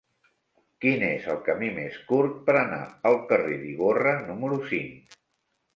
Quin és el camí més curt per anar al carrer d'Ivorra número cinc?